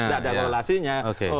tidak ada korelasinya